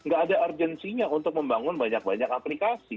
gak ada urgensinya untuk membangun banyak banyak aplikasi